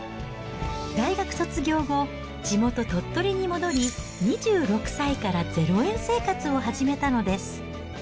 大学卒業後、地元鳥取に戻り、２６歳から０円生活を始めたのです。